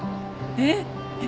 えっ？